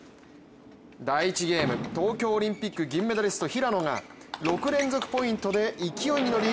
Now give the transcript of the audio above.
第１ゲーム、東京オリンピック銀メダリスト・平野が６連続ポイントで勢いに乗り